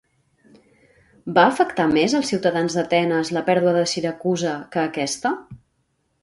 Va afectar més als ciutadans d'Atenes la pèrdua de Siracusa que aquesta?